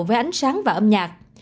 với ánh sáng và âm nhạc